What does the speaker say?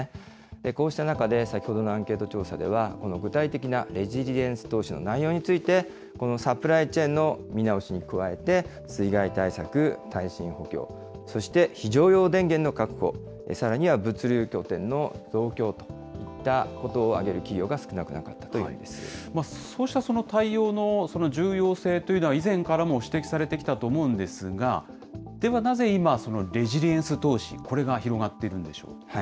こうした中で、先ほどのアンケート調査では、この具体的なレジリエンス投資の内容について、このサプライチェーンの見直しに加えて、水害対策、耐震補強、そして非常用電源の確保、さらには物流拠点の増強といったことを挙げる企業が少なくなかったというんでそうしたその対応の重要性というのは、以前からも指摘されてきたと思うんですが、ではなぜ今、そのレジリエンス投資、これが広がっているんでしょうか。